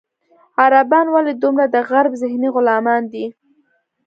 عربان ولې دومره د غرب ذهني غلامان دي.